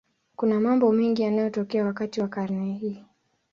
Kuna mambo mengi yaliyotokea wakati wa karne hii.